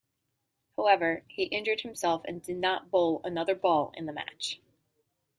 However, he injured himself and did not bowl another ball in the match.